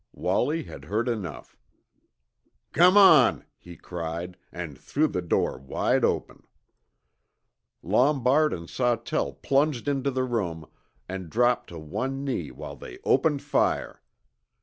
Wallie had heard enough. "Come on!" he cried, and threw the door wide open. Lombard and Sawtell plunged into the room, and dropped to one knee while they opened fire.